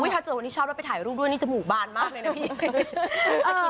พอเจอคนที่ชอบไปถ่ายรูปด้วยนี่จะหมู่บ้านมากเลยนะพี่